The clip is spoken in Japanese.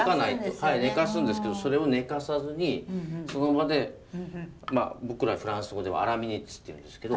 はい寝かすんですけどそれを寝かさずにその場でまあ僕らフランス語ではアラミニッツっていうんですけど。